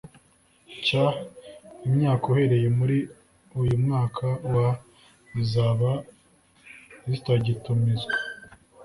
cy imyaka uhereye muri uyu mwaka wa zizaba zitagitumizwa